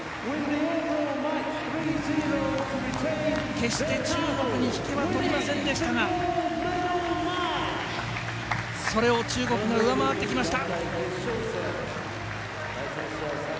決して中国に引けは取りませんでしたがそれを中国が上回ってきました。